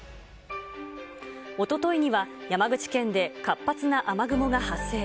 おとといには、山口県で活発な雨雲が発生。